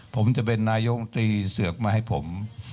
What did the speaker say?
ผมจะเป็นนายกตรีเสือกมาให้ผม